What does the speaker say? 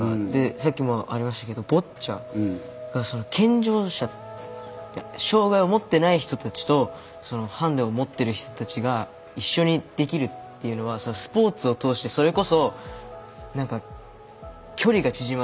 さっきもありましたけどボッチャが健常者や障害を持ってない人たちとハンディを持ってる人たちが一緒にできるっていうのはスポーツを通してそれこそ距離が縮まるじゃないですか壁が。